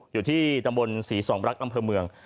อยู่ที่ตำบลศรีสองรักอำเภอเมือง